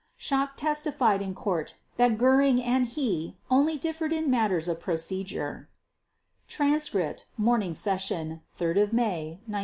Schacht testified in Court that Göring and he only "differed in matters of procedure" (Transcript, Morning Session, 3 May 1946).